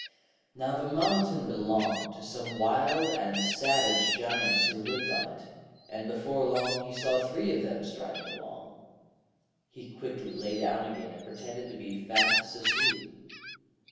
Now the mountain belonged to some wild and savage Giants who lived on it, and before long he saw three of them striding along. He quickly lay down again and pretended to be fast asleep.